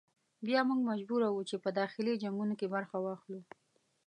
بیا موږ مجبور وو چې په داخلي جنګونو کې برخه واخلو.